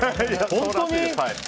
本当に？